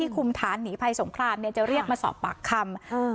คุมฐานหนีภัยสงครามเนี่ยจะเรียกมาสอบปากคำ